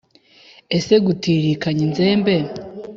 Ese gu tiririkanya inzembe